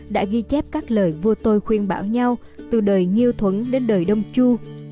đã ghi chép các lời vua tôi khuyên bảo nhau từ đời như thuấn đến đời đông chu